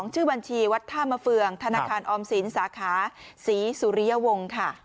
ชื่อบัญชีวัดท่ามะเฟืองธนาคารออมสินสาขาศรีสุริยวงศ์ค่ะ